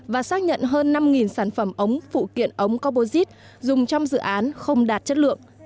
và xác nhận hơn năm sản phẩm ống phụ kiện ống có bô dít dùng trong dự án không đạt chất lượng